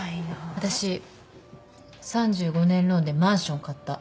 私３５年ローンでマンション買った。